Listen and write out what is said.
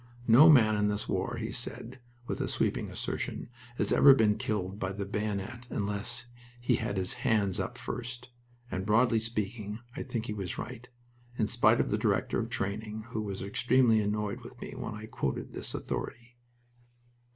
"No man in this war," he said, with a sweeping assertion, "has ever been killed by the bayonet unless he had his hands up first." And, broadly speaking, I think he was right, in spite of the Director of Training, who was extremely annoyed with me when I quoted this authority.